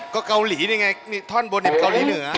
ก็เกาหลีนี่ไงท่อนบนเป็นเกาหลีเหนือ